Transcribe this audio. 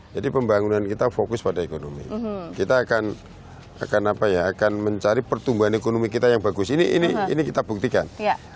pembangunan kita fokus pada ekonomi kita akan mencari pertumbuhan ekonomi kita yang bagus ini kita buktikan